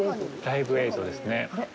ライブ映像ですね。